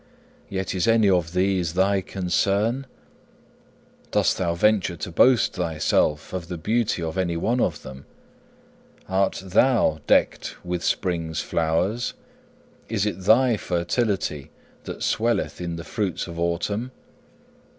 Yet is any of these thy concern? Dost thou venture to boast thyself of the beauty of any one of them? Art thou decked with spring's flowers? is it thy fertility that swelleth in the fruits of autumn?